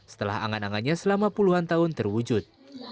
setelah angan angannya selama puluhan tahun terwujud